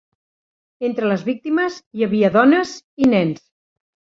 Entre les víctimes hi havia dones i nens.